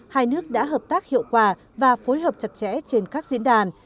hai nước đã hợp tác hiệu quả và phối hợp chặt chẽ trên các diễn đàn